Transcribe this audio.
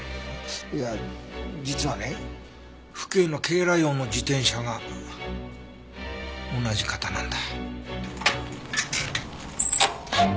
いや実はね府警の警ら用の自転車が同じ型なんだ。